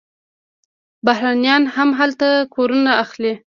بهرنیان هم هلته کورونه اخلي.